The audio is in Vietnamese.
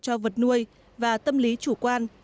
cho vật nuôi và tâm lý chủ quan